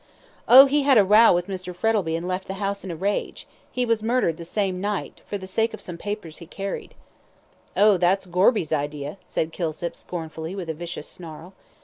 "Oh, he had a row with Mr. Frettlby, and left the house in a rage. He was murdered the same night, for the sake of some papers he carried." "Oh, that's Gorby's idea," said Kilsip, scornfully, with a vicious snarl.